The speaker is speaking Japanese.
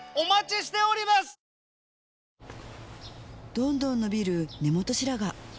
どんどん伸びる根元白髪